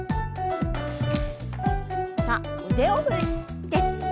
さあ腕を振って。